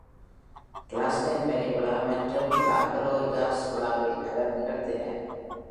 Glastonbury விழா மற்றும் Marlborough jazz விழாவில் அவர் நிகழ்த்தினார்.